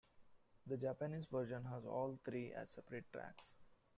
The Japanese version has all three as separate tracks.